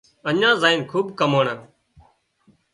اڃين زائينَ کوٻ ڪماڻا